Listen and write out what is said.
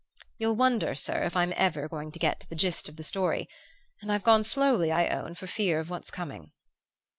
"You'll wonder, sir, if I'm ever to get to the gist of the story; and I've gone slowly, I own, for fear of what's coming.